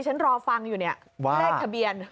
ฉันรอฟังอยู่เนี่ยเลขทะเบียน